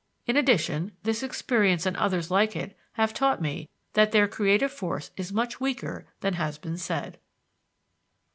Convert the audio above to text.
In addition, this experience and others like it have taught me that their creative force is much weaker than has been said."